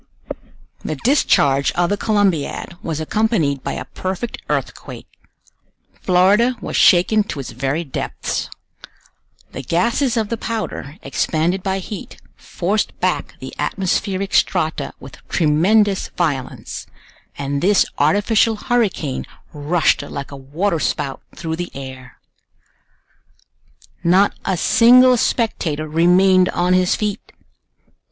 The discharge of the Columbiad was accompanied by a perfect earthquake. Florida was shaken to its very depths. The gases of the powder, expanded by heat, forced back the atmospheric strata with tremendous violence, and this artificial hurricane rushed like a water spout through the air. Not a single spectator remained on his feet!